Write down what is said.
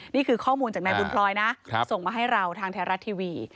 นี่คือข้อมูลจากนายบุญพลอยนะส่งมาให้เราทางไทยรัฐทีวี